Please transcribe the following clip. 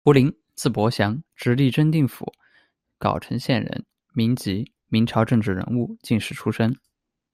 胡麟，字伯祥，直隶真定府藳城县人，民籍，明朝政治人物、进士出身。